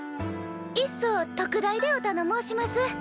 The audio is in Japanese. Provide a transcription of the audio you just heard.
いっそ特大でおたの申します。